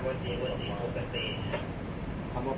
สวัสดีครับทุกคน